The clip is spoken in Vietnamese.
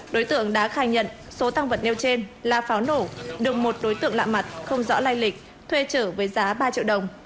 đối tượng đã khai nhận số tăng vật nêu trên là pháo nổ được một đối tượng lạ mặt không rõ lai lịch thuê trở với giá ba triệu đồng